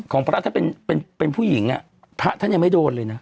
ของพระรัทธิ์ถ้าเป็นผู้หญิงภาคท่านยังไม่โดนเลยนะ